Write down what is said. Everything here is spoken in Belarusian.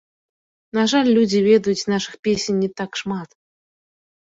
На жаль людзі ведаюць нашых песень не так шмат.